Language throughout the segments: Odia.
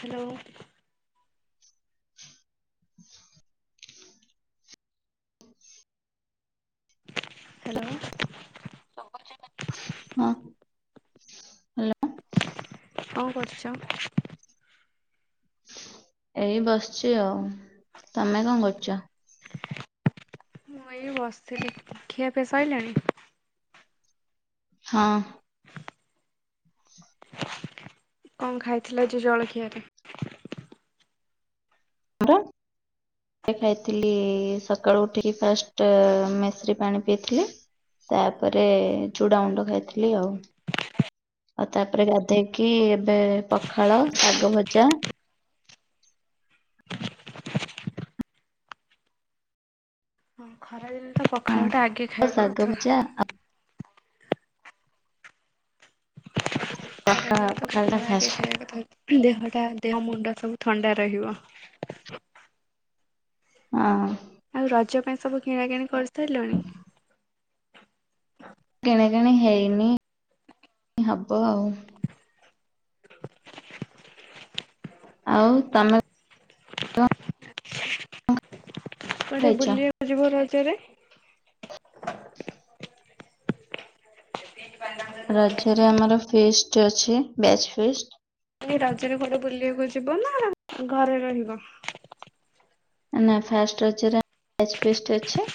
ହ୍ୟାଲୋ। ହ୍ୟାଲୋ। ହଁ ହ୍ୟାଲୋ। କଣ କରୁଛ? ଏଇ ବସିଛି ଆଉ ତମେ କଣ କରୁଚ? ମୁଁ ଏଇ ବସିଥିଲି। ଖିଆ ପିଆ ସରିଲାଣି? ହଁ। କଣ ଖାଇଥିଲ ଯୁ ଜଳଖିଆରେ? [unintelligible] ଖାଇଥିଲି ସକାଳୁ ଉଠି କି ଫାଷ୍ଟ୍ ମେଶ୍ରି ପାଣି ପିଇଥିଲି। ତାପରେ ଚୁଡ଼ା ଗୁଣ୍ଡ ଖାଇଥିଲି ଆଉ। ଆଉ ତାପରେ ଗାଧେଇକି ଏବେ ପଖାଳ, ଶାଗ ଭଜା ହଁ ଖରାଦିନ ତ ହଁ ପଖାଳ ଟା ଆଗେ ଆଉ ଖାଇବା ଶାଗ କଥା। ଭଜା ଆଉ ଖରା ପଖାଳ ଦିନେ ତ ଟା ପଖାଳ ଆଗେ ଫାଷ୍ଟ ଖାଇବା କଥା। ଦେହଟା ଦେହ ମୁଣ୍ଡ ସବୁ ଥଣ୍ଡା ରହିବ। ହଁ। ଆଉ ରଜ ପାଇଁ ସବୁ କିଣା କିିଣି କରିସାରିଲାଣି? କିଣାକିଣି ହେଇନି ହବ ଆଉ। ଆଉ ତମେ କଣ କୁଆଡ଼େ ଖାଇଛ? ବୁଲିବାକୁ ଯିବ ରଜରେ? ରଜ ରେ ଆମର ଫିଷ୍ଟ ଅଛି ବ୍ୟାଚ ଫିଷ୍ଟ। ରଜରେ କୁଆଡ଼େ ବୁଲିବାକୁ ଯିବ ନା ଘରେ ରହିବ? ନା ଫାଷ୍ଟ ରଜରେ ବ୍ୟାଚ ଫିଷ୍ଟ ଅଛି।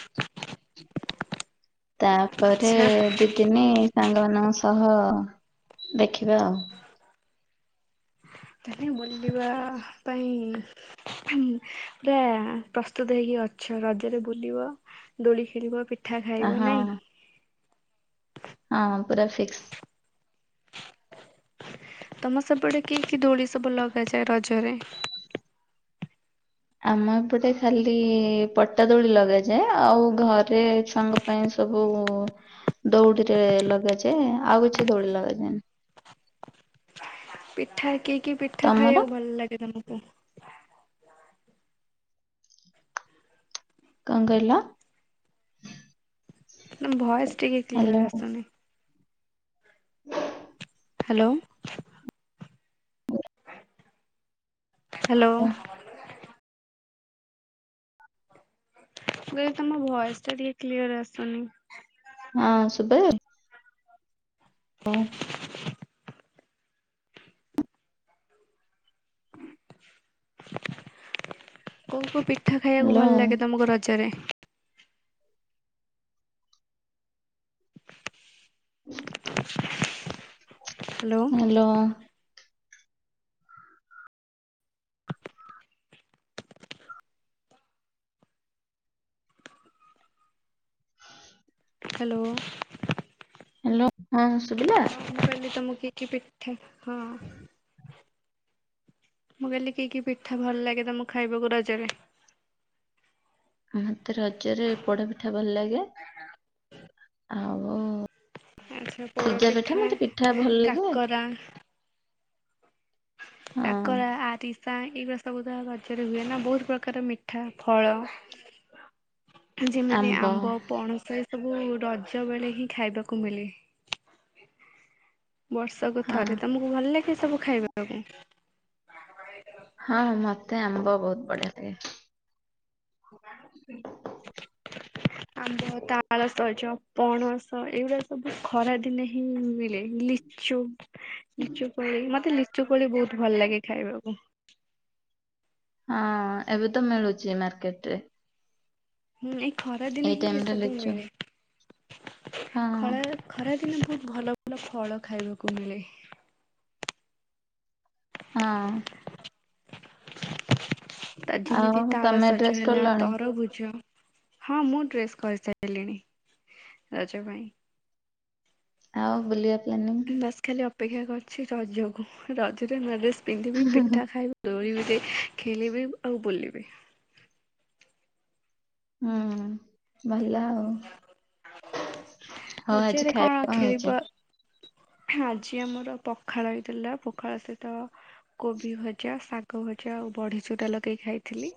ତାପରେ ଆଚ୍ଛା ଦି ତିିନି ସାଙ୍ଗମାନଙ୍କ ସହ ଦେଖିବା ଆଉ ତାହାଲେ ବୁଲିବା ପାଇଁ ପୁରା ପ୍ରସ୍ତୁତ ହେଇକି ଅଛ ରଜରେ ବୁଲିବ। ଦୋଳି ଖେଳିବ, ପିଠା ଆ ଖାଇବ, ହଁ ନାଇଁ। ହଁ ପୁରା ଫିକ୍ସ। ତମ ସେପଟେ କି କି ଦୋଳି ସବୁ ଲଗାଯାଏ ରଜରେ? ଆମ ଏପଟେ ଖାଲି ପଟା ଦୋଳି ଲଗାଯାଏ ଆଉ ଘରେ ସାଙ୍ଗ ପାଇଁ ସବୁ ଦଉଡ଼ିରେ ଲଗାଯାଏ ଆଉ କିଛି ଦୋଳି ଲଗାଯାଏନି। ପିଠା କି କି ପିଠା ତମର ଖାଇବାକୁ ଭଲ ଲାଗେ ତମକୁ? କଣ କହିଲ। ଭଏସ୍ ଟିକେ ହ୍ୟାଲୋ କ୍ଲିୟର ଆସୁନି। ହ୍ୟାଲୋ। ହ୍ୟାଲୋ। କହିଲି ତମ ଭଏସ ଟା ଟିକେ କ୍ଲିୟର ଆସୁନି। ଆଁ ଶୁଭା [inaudible] କୋଉ କୋଉ ପିଠା ଖାଇବାକୁ ହ୍ୟାଲୋ ଭଲ ଲାଗେ ତମକୁ ର ଜ ରେ? ହ୍ୟାଲୋ। ହ୍ୟାଲୋ। ହ୍ୟାଲୋ ହଁ ସୁବଲା? ମୁଁ କହିଲି ତମ କୁ କିଏ [unintelligible] ହଁ। ମୁଁ କହିଲି କି କି ପିଠା ଭଲ ଲାଗେ ତମକୁ ଖାଇବାକୁ ରଜରେ? ମତେ ରଜରେ ପୋଡପିଠା ଭଲ ଲାଗେ ଆଉ ଆଚ୍ଛା ପୋଡ ସିଜା ପିଠା ମତେ ପିଠା ଭଲ ଲାଗେ। [unintelligible] ହଁ। କାକରା ଆରିସାଏ ଏଇଗୁଡା ସବୁ ତା ରଜରେ ହୁଏ ନା ବହୁତ ପ୍ରକାର ମିଠା ଫଳ ଯେମିତି ଆମ୍ବ ପଣସ ଏ ସବୁ ରଜ ବେଳେ ହିଁ ଖାଇବାକୁ ମିଳେ। ବର୍ଷକୁ ହଁ ଥରେ ତମକୁ ଭଲ ଲାଗେ ସବୁ ଖାଇବାକୁ? ହଁ ମତେ ଆମ୍ବ ବହୁତ ବଢିଆ ଲାଗେ। [unintelligible] ଆମ୍ବ ତାଳସଜ ପଣସ ଏଇଗୁଡା ସବୁ ଖରା ଦିନେ ହିଁ ମିଳେ ଲି ଚୁ ଲିଚୁ କୋଳି ମତେ ଲିଚୁ କୋଳି ବହୁତ ଭଲ ଲାଗେ ଖାଇବାକୁ। ହଁ ଏବେ ତ ମିଳୁଛି ମାର୍କେଟ ରେ। ହୁଁ ଏଇ ଖରା ଦିନେ ଏଇ ହିଁ ଏ ଟାଇମରେ ସବୁ ଲିଚୁ ମିଳେ ହଁ ଖଳା ଖରାଦିନେ ବହୁତ ଭଲ ଭଲ ଫଳ ଖାଇବାକୁ ମିଳେ। ହଁ। ତା ଧିମିତି ଆଉ ତାଳ ତମେ ସଜ ଡ୍ରେସ୍ ହେଲା କଲଣି ତରଭୁଜ ହଁ ମୁଁ ଡ୍ରେସ୍ କରିସାରିଲିଣି ରଜ ପାଇଁ। ଆଉ ବୁଲିବା ପ୍ଲାନିଙ୍ଗ? ବାସ୍ ଖାଲି ଅପେକ୍ଷା କରିଛି ରଜକୁୁ ରଜରେ ନୂଆଁ ଡ୍ରେସ୍ ପିନ୍ଧିବି ପିଠା ଖାଇବି ଦୋଳି ଗୁରେ ଖେଳିବି ଆଉ ବୁଲିବି। ହୁଁ ଭଲ ଆଉ। ଆଉ ଆଜି ରଜରେ ଖାଇବା କଣ ହେଇଛି? ଖେଳିବା ଆଜି ଆମର ପଖାଳ ହେଇଥିଲା ପଖାଳ ସହିତ କୋଭି ଭଜା ଶାଗ ଭଜା ଆଉ ବଢି ଚୁରା ଲଗେଇ ଖାଇଥିଲି।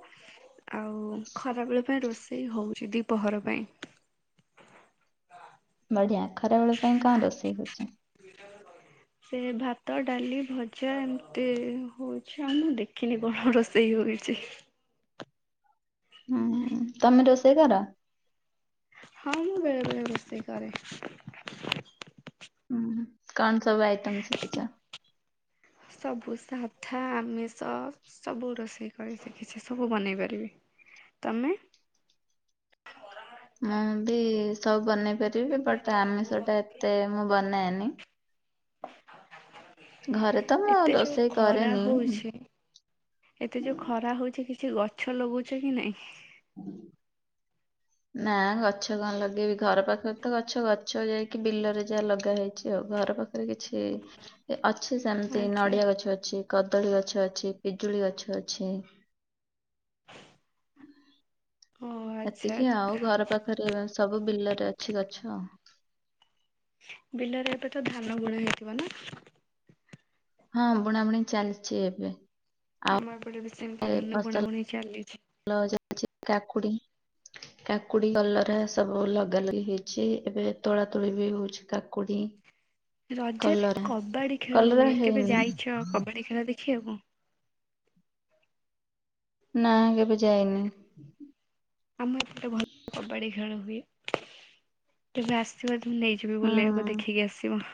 ଆଉ ଖରାବେଳ ପାଇଁ ରୋଷେଇ ହଉଛି ଦିପହର ପାଇଁ। ବଢିଆ ଖରା ବେଳ ପାଇଁ କଣ ରୋଷେଇ ହଉଛି? ସେ ଭାତ ଡାଲି ଭଜା ଏମିତି ହଉଛି ଆଉ ମୁଁ ଦେ ଖିନି କଣ ରୋଷେଇ ହଉଛି। ହୁଁ ତମେ ରୋଷେଇ କର? ହଁ ମୁଁ ବେଳେବେଳେ ରୋସେଇ କରେ। ହୁଁ କଣ ସବୁ ଆଇଟମ ଶିଖିଚ? ସବୁ ସାଧା ଆମିଷ ସବୁ ରୋଷେଇ କରି ଶିଖିଛି ସବୁ ବନେଇ ପାରିବି ତମେ? ମୁଁ ବି ସବୁ ବନେଇ ପାରିବି ବଟ ଆମିଷ ଟା ଏତେ ମୁଁ ବନାଏନି। ଘରେ ତ ମୁଁ ଏତେ ଯଉ ରୋଷେଇ ଖରା କରେନି ହଉଛି ଏତେ ଯୋଉ ଖରା ହଉଛି କିଛି ଗଛ ଲଗଉଛ କି ନାଇଁ? ହୁଁ। ହ ନା ଗଛ କଣ ଲଗେଇବି ଘର ପାଖରେ ତ ଗଛ ଗଛ ଯାଇକି ବିଲରେ ଯାହା ଲଗା ହେଇଛି ଆଉ ଘର ପାଖ ଖରେ କିଛି ଏ ଅଛି ସେମିତି ଆଚ୍ଛା ନଡିଆ ଗଛ ଅଛି କଦଳୀ ଗଛ ଅଛି ପିଜୁଳି ଗଛ ଅଛି। [inaudible] ଓ ଆଚ୍ଛା। ଏତିକି ଆଉ ଘର ପାଖରେ ସବୁ ବିଲରେ ଅଛି ଗଛ ଆଉ। ବିଲରେ ଏବେ ତ ଧାନ ବୁଣା ହେଇଥିବ ନା? ହଁ ବୁଣାବୁଣି ଚାଲିଛି ଏବେ। ଆଉ ଆମ ଏପଟେ ବି ସେମିତି ଏ ଧାନ ଫସଲ ବୁଣାବୁଣି ଚାଲିଛି। [unintelligible] କାକୁଡି କାକୁଡି କଲରା ସବୁ ଲଗା ଲଗି ହେଇ ଚି ଏବେ ତୋଳା ତୋଳି ବି ହଉଛି କାକୁଡି। ରଜରେ କଲରା କବାଡ଼ି ଖେଳ କଲରା ହୁଏ କେବେ ହେଇନି ଯାଇଛ କବାଡ଼ି ଖେଳ ଦେଖିବାକୁ। ନା କେବେ ଯାଇନି। ଆମ କେତେ ଭଲ କବାଡି ଖେଳନ୍ତି। ତବେ ଆସିବ ତ ନେଇଯିବି ବୁଲିବାକୁ ହୁଁ ଦେଖିକି ଆସିବ।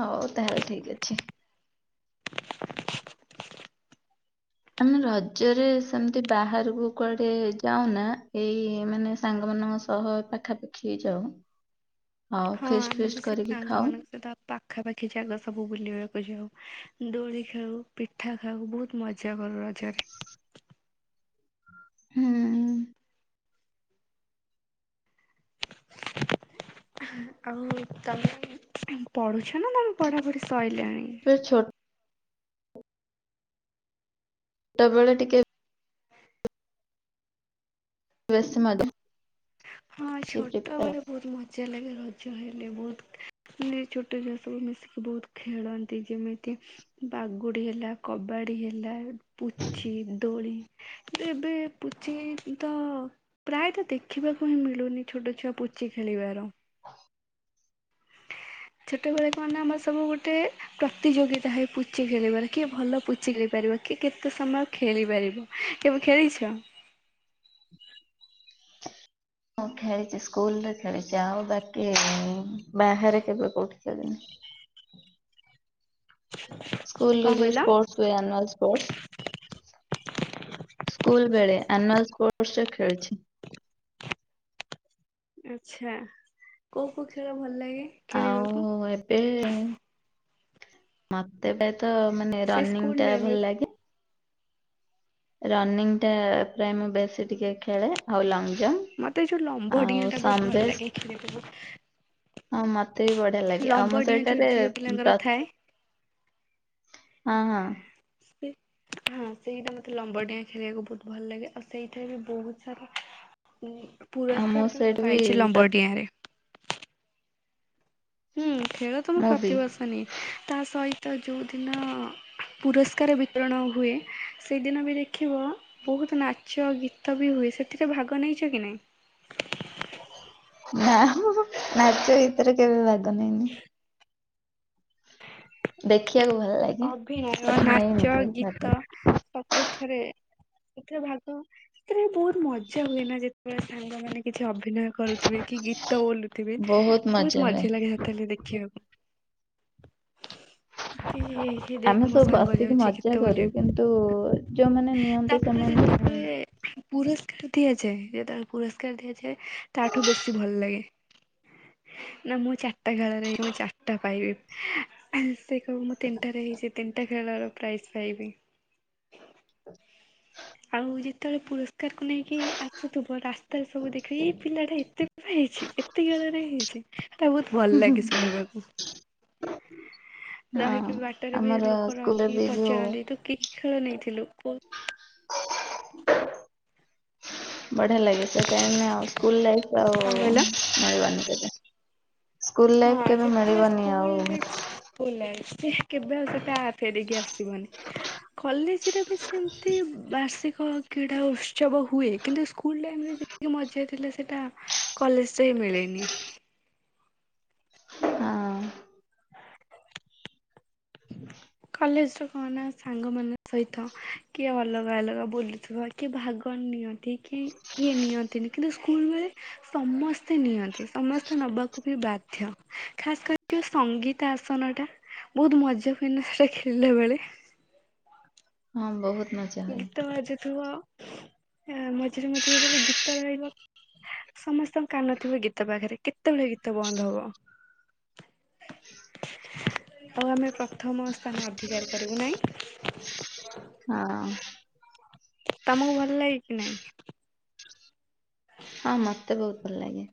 ହଉ ତାହେଲେ ଠିକ୍ ଅଛି। ଆମେ ରଜରେ ସେମିତି ବାହାରକୁ କୁଆଡେ ଯାଉନା ଏଇ ମାନେ ସାଙ୍ଗମାନଙ୍କ ସ ସହ ଏ ପାଖାପାଖି ଯାଉ। ଆଉ ହଁ ଫିଷ୍ଟ ଆମେ ଫିଷ୍ଟ ବି ସେଇ କରିକି ସାଙ୍ଗ ଖାଉ। ମାନଙ୍କ ସହିତ ପାଖାପାଖି ଜାଗା ସବୁ ବୁଲିବାକୁ ଯାଉ ଦୋଳି ଖେଳୁ ପିଠା ଖାଉ ବହୁତ ମଜା କରୁ ରଜରେ। ହୁଁ। [unintelligible] ଆଉ ତମେ ପଢୁଛ ନା ତମେ ପଢାପଢି ସଇଲାଣି। ଛୋ ଟ ବେଳେ ଟିକେ ବେଶି ମଜା ହଁ ଆସିଛି ପ୍ରିପେୟାର ଛୋଟବେଳେ ବହୁତ ମଜା ଲାଗେ ରଜ ହେଲେ ବହୁତ ମ ଛୋଟ [unintelligible] ସବୁ ମିଶିକି ବହୁତ ଖେଳନ୍ତି ଯେମିତି ବାଗୁଡି ହେଲା କବାଡି ହେଲା ପୁଛିି ଦୋଳି କି ଏବେ ପୁଛି ତ ପ୍ରାୟତଃ ଦେ ଦେଖିବାକୁ ହିଁ ମିଳୁନି ଛୋଟ ଛୁଆ ପୁଚି ଖେଳିବାର। ହ ଛୋଟ ବେଳେ କଣ ନା ଆମର ସବୁ ଗୋଟେ ପ୍ରତିଯୋଗିତା ହୋଇ ପୁଚି ଖେଳିବାରେ କିଏ ଭଲ ପୁଚି ଖେଳିପାରିବ କିଏ କେତେ ସମୟ ଖେଳିପାରିବ। କେବେ ଖେଳିଛ। ହ ମୁଁ ଖେଳିଛି ସ୍କୁଲରେ ଖେଳିଛି ଆଉ ବାକି ବାହାରେ କେବେ କଉଠି ଖେଳି। ସ୍କୁଲ ର କଣ ଯୋଉ କହିଲ? ସ୍ପୋର୍ଟସ ହୁଏ ଆନୁଆଲ ସ୍ପୋର୍ଟସ୍ ସ୍କୁଲ ବେଳେ ଆନୁଆଲ ସ୍ପୋର୍ଟସ ଖେଳିଛି। ଆଛା କୋଉ କୋଉ ଖେଳ ଭଲ ଲାଗେ? ଖେଳିବାକୁ? ଆଉ ଏବେ ମତେ ତ ମାନେ ସେ ରନିଂ ସ୍କୁଲ ଟା ଟାଇମରେ ଭଲ ଲାଗେ। ରନିଂ ଟା ପ୍ରାୟ ମୁଁ ବେଶୀ ଟିକେ ଖେଳେ ଆଉ ଲଙ୍ଗ ଜମ୍ପ ମତେ ଏ ଯୋଉ ଲମ୍ବ ଆଉ ଡିିଟା ବହୁତ ଭଲ ସମରେଶ ଲାଗେ। [unintelligible] ହଁ ମତେ ବି ବଢିଆ ଲାଗେ ଆଉ ଲମ୍ବ ମୁଁ ଡିଆଁ ଯୋଉ ସେଇଟାରେ ଝିଅ ପିଲାଙ୍କର ତ ଥାଏ ହଁ ହଁ। ସେ ହଁ ସେଇଟା ମୋତେ ଲମ୍ବ ଡିଆଁ ଖେଳିବାକୁ ବହୁତ ଭଲ ଲାଗେ ଆଉ ସେଇଥିରେ ବି ବହୁତ ସାରା ଉଁ ଆଉ ପୁରସ୍କାର ବି ମୁଁ ସେଇଠି ପାଇଛି ପ୍ର ଲମ୍ବଡିଆରେ। ହୁଁ ଖେଳ ତ ମୁଁ ପ୍ରତିବର୍ଷ ନିିଏ ତା ସହିତ ଯୋଉଦିନ ପୁରସ୍କାର ବିତରଣ ହୁଏ ସେଇଦିନ ବି ଦେଖିବ ବହୁତ ନାଚ ଗୀତ ବି ହୁଏ ସେଥିରେ ଭାଗ ନେଇଛ କି ନାହିଁ? ନା ହଁ ହଁ ନାଚ ଗୀତରେ କେବେ ଭାଗ ନେଇନି। ଦେଖିଆକୁ ଭଲ ଲା ଅଭିନୟ, ନାଚ, ଗୀତ ସବୁଥିରେ କୋଉଥିରେ ଭାଗ ଏତିରେ ବୋହୁତ ମଜା ହୁଏ ନା ଯେତେବେଳେ ସାଙ୍ଗମାନେ କିଛି ଅଭିନୟ କରୁଥିବେ କି ଗୀତ ବୋଲୁ ଥିବେ ବହୁତ ବୋହୁତ ହୁଏ। ମଜା ଲାଗେ ସେତେବେଲେ ଦେଖିବାକୁ। କି ଏ ଆମେ ଦେଖ ମୋ ସବୁ ସାଙ୍ଗ ବସିକି ଯାଉଛି ମଜା ଗୀତ କରୁ ବୋଲିବାକୁ କିନ୍ତୁ ଯୋଉମାନେ ନିଅନ୍ତି ତା ପରେ ସେମାନେ ହୁଁ ଯେତେବେଳେ ପୁରସ୍କାର ଦିଆଯାଏ ଯେତେଏଳେ ପୁରସ୍କାର ଦିଆଯାଏ ତାଠୁ ବେଶୀ ଭଲ ଲାଗେ। ନା ମୁଁ ଚାରିଟା ଖେଳରେ ଇ ମୁଁ ଚାରିଟା ପାଇବି ସେ କ ମ ତିନିଟାରେ ହେଇଚି ତିନିଟା ଖେଳର ପ୍ରାଇଜ୍ ପାଇବି। ଆଉ ଯେତେବେଳେ ପୁରସ୍କାରକୁ ନେଇକି ଆସୁଥିବ ରାସ୍ତାରେ ସବୁ ଦେଖିକି ଏଇ ପିଲାଟା ଏତେ ହେଇଚି ଏତେ ଖେଳରେ ହେଇଛି ତା ବହୁତ ଭଲ ଲାଗେ ଶୁଣିବାକୁ। ହ ହ ରହିକି ବାଟରେ ବି ଲୋକ ସ୍କୁଲରେ ରଖିକି ବି ଯୋଉ ପଚାରନ୍ତି ତୁ କିହ ଖେଳ ନେଇଥିଲୁ କୋଉ ବଢ଼ିଆ ଲାଗେ ସେ ଟାଇମ୍ ଆଉ ସ୍କୁଲ ଲାଇଫ କଣ ଆଉ କହିଲ? ମିଳିବନି କେବେ। ସ୍କୁଲ ଲାଇଫ କେବେ ମିଳିବନି ଆଉ। ବୁଲାଇସି କେବେ ଆଉ ସେଟା ଫେରିକି ଆସିବନି। କଲେଜରେ ବି ସେମିତି ବାର୍ଷିକ କ୍ରୀଡ଼ା ଉତ୍ସବ ହୁଏ କିନ୍ତୁ ସ୍କୁଲରେ ଏମିତି କି ମଜା ଥିଲା ସେଟା କଲେଜରେ ମିଳେନି। ହଁ ହ କଲେଜ ର କଣ ନା ସାଙ୍ଗମାନ ସହିତ କିଏ ଅଲଗା ଅଲଗା ବୁଲୁଥିବ। କିଏ ଭାଗ ନିଅନ୍ତି କି ଇଏ ନିଅନ୍ତିନି କିନ୍ତୁ ସ୍କୁଲ ବେଳେ ସମସ୍ତେ ନିଅନ୍ତି ସମସ୍ତେ ନବାକୁ ବି ବାଧ୍ୟ ଖାସ କରି ସଙ୍ଗୀତ ଆସନଟା ବୋହୁତ ମଜା ହୁଏ ନା ସେଇଟା ଖେଳିଲା ବେଳେ? ହଁ ବହୁତ ମଜା ହୁଏ। ଗୀତ ବାଜୁଥୁବ ମଝିରେ ମଝିରେ ଆ ଯେତେବେଳେ ଗୀତ ରହିବ ସମସ୍ତଙ୍କ କାନ ଥିବ ଗୀତ ପାଖରେ କେତେବେଳେ ଗୀତ ବନ୍ଦ ହବ। ଆଉ ଆମେ ପ୍ରଥମ ସ୍ଥାନ ଅଧିକାର କରିବୁ ନାଇଁ। ହଁ। ତମକୁ ଭଲ ଲାଗେ କି ନାଇଁ? ହଁ ମତେ ବୋହୁତ ଭଲ ଲାଗେ।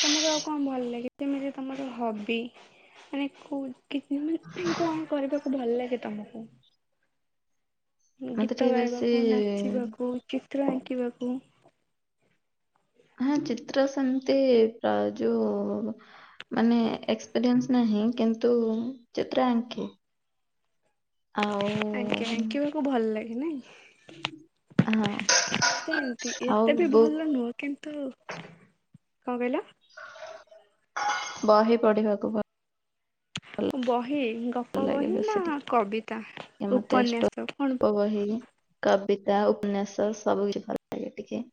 ତମକୁ ଆଉ କଣ ଭଲ ଲାଗେ ଯେମିତି ତମର ହବି? ମାନେ କୋଉ କି ମାନେ କଣ କରିବାକୁ ଭଲ ଲାଗେ ତମକୁ? ମତେ ଗୀତ ଟିକେ ବେଶୀ ଗାଇବାକୁ, ନାଚିବାକୁ, ଚିତ୍ର ଆଙ୍କିବାକୁ? ହଁ ଚିିତ୍ର ସେମ୍ତି ପ ଯୋଉ ମାନେ ଏକ୍ସପିରିଏନ୍ସ ନାହିଁ କିନ୍ତୁ ଚିତ୍ର ଆଙ୍କେ। ଆଉ ଆଜ୍ଞା ଆଙ୍କିବାକୁ ଭଲ ଲାଗେ ନାଇଁ? ହଁ ସେମତି ଆଉ ଏତେ ବି ବୁକ୍ ଭଲ ନୁହଁ କି ତୁ କଣ କହିଲ? ବହି ପଢ଼ିବାକୁ ବ ବହି ଭଲ ଗପ ଲାଗେ ବହି ନା ବେଶୀ କବିତା ଟିକେ ମତେ ଷ୍ଟୋ ଉପନ୍ୟାସ କଣ? ବହି। କବିତା ଉପନ୍ୟାସ ସବୁ କି ଭଲ ଲାଗେ ଟିକେ।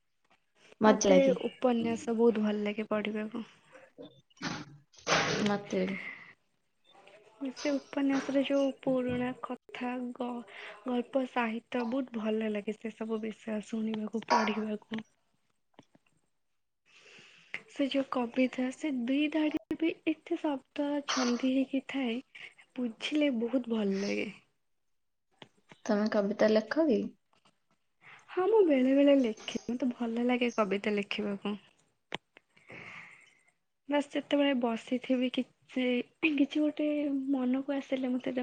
ମଜା ମତେ ଲାଗେ ଉପନ୍ୟାସ ବହୁତ ଭଲ ଲାଗେ ପଢିବାକୁ। ମତେ ବି। ସେ ଉପନ୍ୟାସର ଯୋଉ ପୁରୁଣା କଥା ଗଳ୍ପ ସାହିତ୍ୟ ବହୁତ ଭଲ ଲାଗେ ସେ ସବୁ ବିଷୟ ଶୁଣିବାକୁ। ପଢ଼ିବାକୁ। ସେ ଯୋଉ କବିତା ସେ ଦିଇ ଧାଡିରେ ବି ଏତେ ଶବ୍ଦ ଛନ୍ଦି ହେଇକି ଥାଏ। ବୁଝିଲେ ବହୁତ ଭଲ ଲାଗେ। ତମେ କବିତା ଲେଖ କି? ହଁ ମୁଁ ବେଳେ ବେଳେ ଲେଖେ ମତେ ଭଲ ଲାଗେ କବିତା ଲେଖିବାକୁ। ବାସ୍ ଯେତେବେଳେ ବସିଥିବି କିଛି, କିଛି ଗୋଟେ ମନକୁ ଆସିଲେ ମତେ